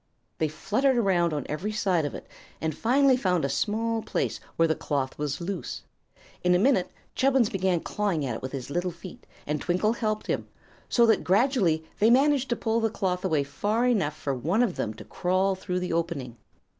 They fluttered around on every side of it, and finally found a small place where the cloth was loose. In a minute Chubbins began clawing at it with his little feet, and Twinkle helped him; so that gradually they managed to pull the cloth away far enough for one of them to crawl through the opening.